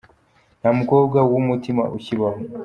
Nta mukobwa wu umutima ukibaho.